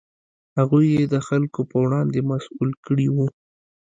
هغوی یې د خلکو په وړاندې مسوول کړي وو.